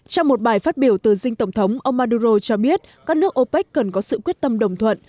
trong một bài phát biểu từ dinh tổng thống ông maduro cho biết các nước opec cần có sự quyết tâm đồng thuận